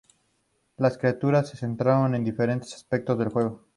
Las críticas se centraron en diferentes aspectos del juego.